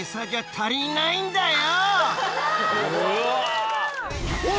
「足りないんだよ」